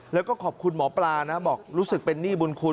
แล้วก็ขอบคุณหมอปลานะบอกรู้สึกเป็นหนี้บุญคุณ